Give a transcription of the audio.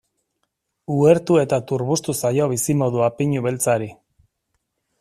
Uhertu eta turbustu zaio bizimodua pinu beltzari.